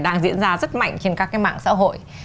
đang diễn ra rất mạnh trên các cái mạng xã hội